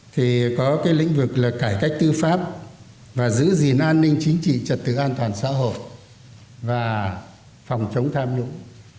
thì có cái lĩnh vực là cải cách tư pháp và giữ gìn an ninh chính trị trật tự an toàn xã hội và phòng chống tham nhũng